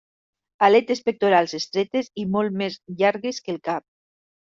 Aletes pectorals estretes i molt més llargues que el cap.